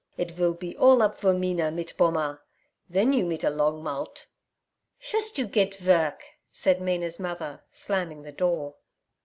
It vill be all up for Mina mit Pommer. Then you mit a long mout'.' 'Shust you get vork' said Mina's mother, slamming the door.